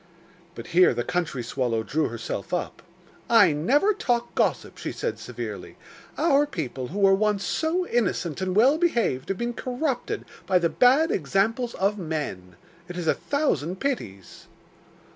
But here the country swallow drew herself up. 'I never talk gossip,' she said severely. 'Our people, who were once so innocent and well behaved, have been corrupted by the bad examples of men. It is a thousand pities.